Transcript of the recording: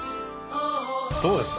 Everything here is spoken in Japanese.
どうですか？